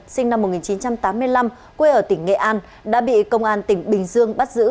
sinh năm một nghìn chín trăm tám mươi năm quê ở tỉnh nghệ an đã bị công an tỉnh bình dương bắt giữ